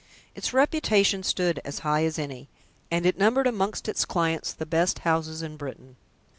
Its reputation stood as high as any, and it numbered amongst its clients the best houses in Britain.